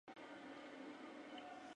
Pauli y sin posibilidades de ascenso.